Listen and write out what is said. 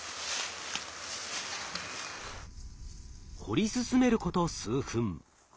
掘り進めること数分。